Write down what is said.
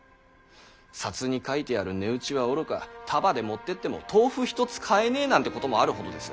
札に書いてある値打ちはおろか束で持ってっても豆腐一つ買えねぇなんてこともあるほどです。